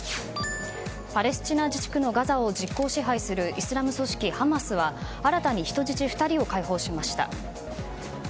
パレスチナ自治区のガザを実効支配するイスラム組織ハマスは新たに人質２人を解放しました。